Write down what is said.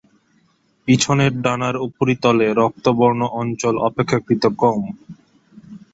পিছনের ডানার উপরিতলে রক্তবর্ণ অঞ্চল অপেক্ষাকৃত কম।